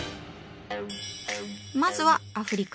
まずはアフリカ。